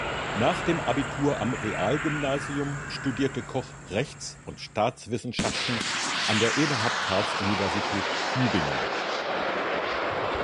Nach dem Abitur am Realgymnasium studierte Koch Rechts- und Staatswissenschaften an der Eberhard-Karls-Universität Tübingen.